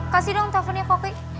kasih dong teleponnya ke oki